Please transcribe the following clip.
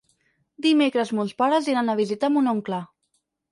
Dimecres mons pares iran a visitar mon oncle.